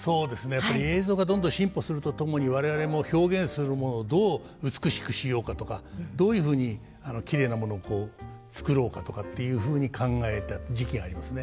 やっぱり映像がどんどん進歩するとともに我々も表現するものをどう美しくしようかとかどういうふうにきれいなものを作ろうかとかっていうふうに考えた時期がありますね。